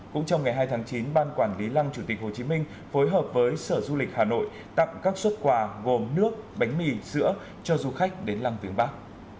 cũng trong ngày hai tháng chín ban quản lý lăng chủ tịch hồ chí minh phối hợp với sở du lịch hà nội tặng các xuất quà gồm nước bánh mì sữa cho du khách đến lăng viếng bắc